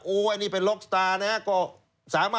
อืม